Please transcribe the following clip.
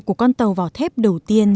của con tàu vào thép đầu tiên